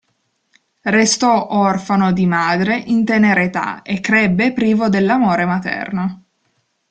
Restò orfano di madre in tenera età e crebbe privo dell'amore materno.